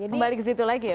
kembali ke situ lagi ya